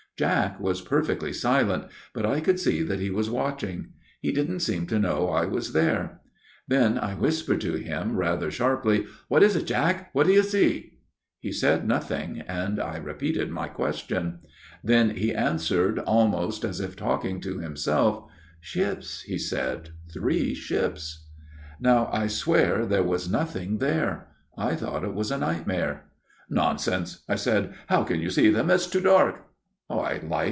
" Jack was perfectly silent, but I could see that he was watching. He didn't seem to know I was there. " Then I whispered to him rather sharply. 11 ' What is it, Jack ? What do you see ?'" He said nothing, and I repeated my question. " Then he answered, almost as if talking to himself :' Ships,' he said, ' three ships.' 66 A MIRROR OF SHALOTT " Now I swear there was nothing there. I thought it was a nightmare. "' Nonsense/ I said. ' How can you see them ? It's too dark.'